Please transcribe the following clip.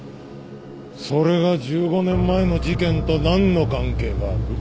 それが１５年前の事件と何の関係がある？